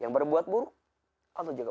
yang berbuat buruk atau juga